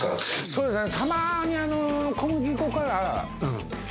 そうですね。